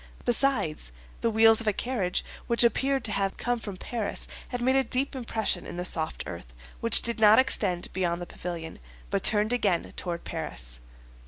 Besides, the wheels of a carriage, which appeared to have come from Paris, had made a deep impression in the soft earth, which did not extend beyond the pavilion, but turned again toward Paris.